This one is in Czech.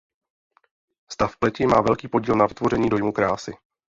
Stav pleti má velký podíl na vytvoření dojmu krásy.